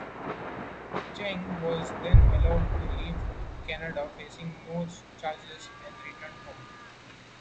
Cheng was then allowed to leave Canada facing no charges, and returned home.